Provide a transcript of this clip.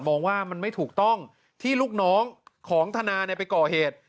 มองว่ามันไม่ถูกต้องที่ลูกน้องของธนาไปก่อเหตุ